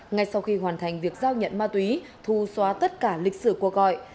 ngay sau khi hoàn thành việc giao nhận ma túy thu xóa tất cả lịch sử của gọi